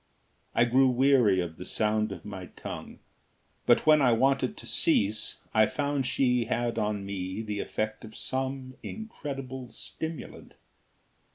I grew weary of the sound of my tongue. But when I wanted to cease, I found she had on me the effect of some incredible stimulant.